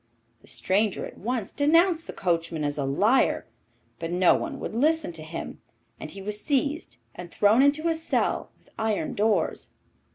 The stranger at once denounced the coachman as a liar; but no one would listen to him, and he was seized and thrown into a cell with iron doors.